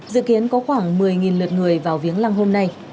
dự kiến có khoảng một mươi lượt người vào viếng lăng hôm nay